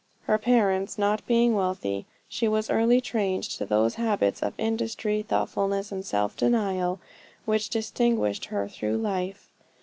Her parents not being wealthy, she was early trained to those habits of industry, thoughtfulness and self denial which distinguished her through life.